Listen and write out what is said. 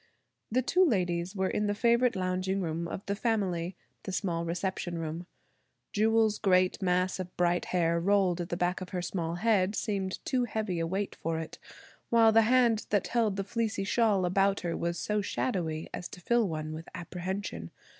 The two ladies were in the favorite lounging room of the family–the small reception room. Jewel's great mass of bright hair rolled at the back of her small head, seemed too heavy a weight for it, while the hand that held the fleecy shawl about her was so shadowy as to fill one with apprehension.